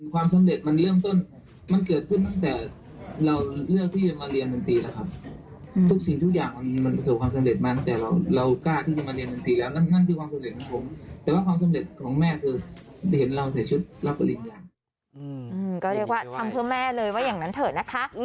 ก็เรียกว่าทำเพื่อแม่เลยว่าอย่างนั้นเถอะนะคะ